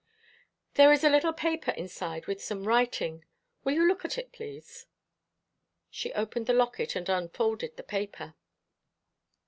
"There is a little paper inside with some writing. Will you look at it, please?" She opened the locket and unfolded the paper.